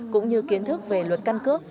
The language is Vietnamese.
cũng như kiến thức về luật căn cước